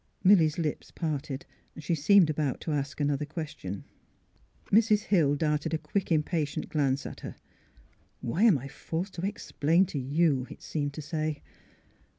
Milly 's lips parted. She seemed about to ask another question. Mrs. Hill, darted a quick, impatient glance at her. Why am I forced to explain to you? it seemed to say.